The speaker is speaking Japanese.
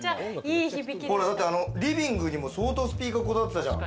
リビングにも相当スピーカーこだわってたじゃん。